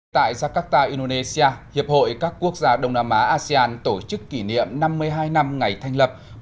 tại jakarta indonesia hiệp hội các quốc gia đông nam á asean tổ chức kỷ niệm năm mươi hai năm ngày thành lập